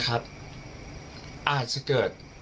อาจจะเกิด